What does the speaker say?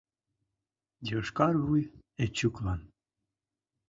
Йошкар вуй Эчуклан